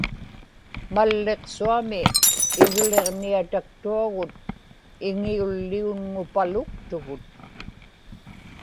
malliqsuami igliġniataktuagut iŋiulliunŋupaluktugut